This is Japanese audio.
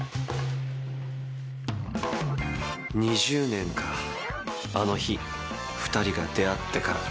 ２０年かあの日２人が出会ってから